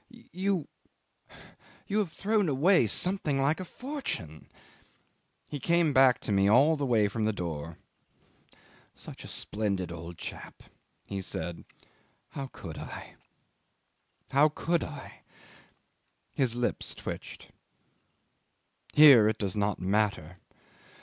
"You you have thrown away something like a fortune." He came back to me all the way from the door. "Such a splendid old chap," he said. "How could I? How could I?" His lips twitched. "Here it does not matter."